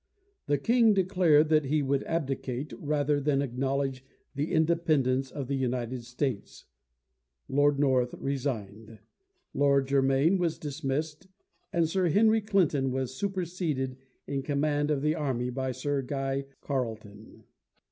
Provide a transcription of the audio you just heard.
The King declared that he would abdicate rather than acknowledge the independence of the United States, Lord North resigned, Lord Germaine was dismissed, and Sir Henry Clinton was superseded in command of the army by Sir Guy Carleton.